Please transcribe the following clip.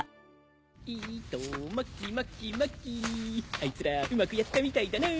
あいつらうまくやったみたいだな。